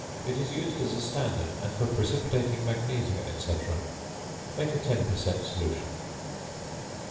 It is used as a standard and for precipitating magnesia, &c. Make a 10 per cent. solution.